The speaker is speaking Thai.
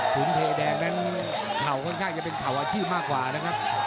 เทแดงนั้นเข่าค่อนข้างจะเป็นเข่าอาชีพมากกว่านะครับ